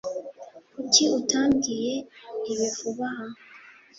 Kuki utambwiye ibi vuba aha?